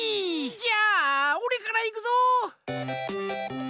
じゃあおれからいくぞ！